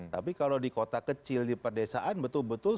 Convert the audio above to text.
tapi kalau di kota kecil di pedesaan betul betul